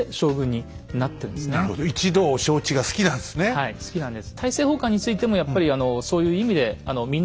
はい好きなんです。